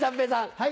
はい。